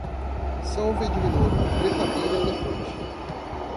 salvia divinorum, trepadeira elefante